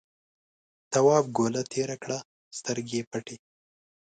تواب گوله تېره کړه سترګې یې پټې.